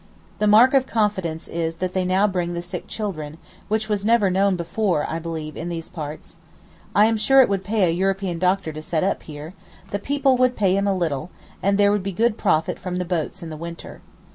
The mark of confidence is that they now bring the sick children, which was never known before, I believe, in these parts. I am sure it would pay a European doctor to set up here; the people would pay him a little, and there would be good profit from the boats in the winter.